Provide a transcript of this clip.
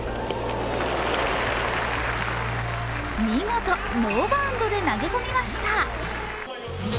見事、ノーバウンドで投げ込みました。